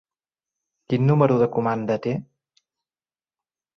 Quin número de comanda té?